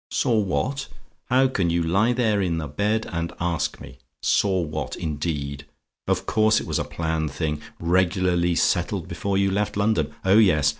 "SAW WHAT? "How can you lie there in the bed and ask me? Saw what, indeed! Of course it was a planned thing! regularly settled before you left London. Oh yes!